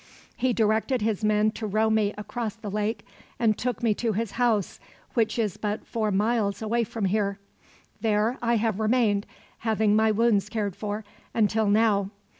He directed his men to row me across the lake, and took me to his house, which is but four miles away from here. There I have remained, having my wounds cared for, until now.